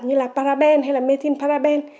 như là paraben hay là methane paraben